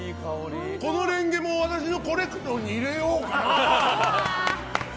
このレンゲも私のコレクトに入れようかな！